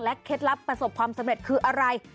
เคล็ดลับประสบความสำเร็จคืออะไร